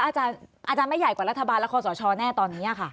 อาจารย์ไม่ใหญ่กว่ารัฐบาลและคอสชแน่ตอนนี้ค่ะ